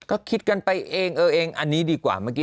ก็คิดกันไปเองอ่ะเองอันี้